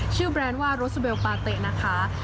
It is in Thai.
ชื่อแบรนด์ว่ารสสุเบลปะเตะนะคะ